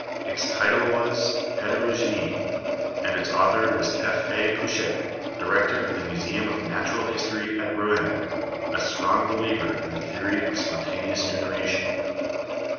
Its title was 'Heterogenic,' and its author was F. A. Pouchet, Director of the Museum of Natural History at Rouen, a strong believer in the theory of spontaneous generation.